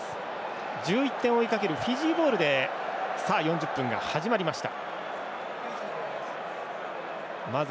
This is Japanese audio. １１点、追いかけるフィジーボールで４０分が始まりました。